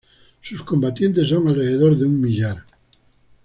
Sus combatientes son alrededor de un millar.